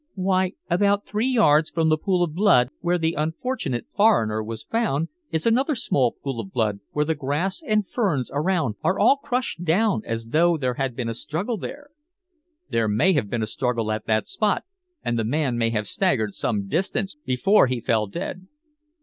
"Why, about three yards from the pool of blood where the unfortunate foreigner was found is another small pool of blood where the grass and ferns around are all crushed down as though there had been a struggle there." "There may have been a struggle at that spot, and the man may have staggered some distance before he fell dead."